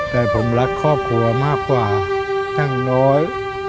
แต่ผมรักครอบครัวมากกว่าช่างน้อย